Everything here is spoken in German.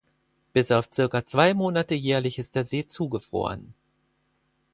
Bis auf circa zwei Monate jährlich ist der See zugefroren.